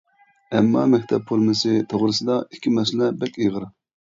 ئەمما مەكتەپ فورمىسى توغرىسىدا ئىككى مەسىلە بەك ئېغىر.